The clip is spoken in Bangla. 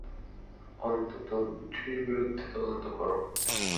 অন্তত মন্ত্রীর বিরুদ্ধে তদন্ত কর।